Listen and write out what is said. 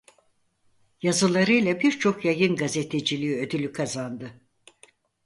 Yazılarıyla birçok yayın gazeteciliği ödülü kazandı.